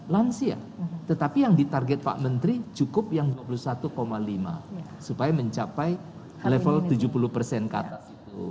lansia tetapi yang ditarget pak menteri cukup yang dua puluh satu lima supaya mencapai level tujuh puluh persen ke atas itu